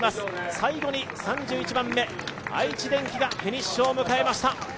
最後に３１番目、愛知電機がフィニッシュを迎えました。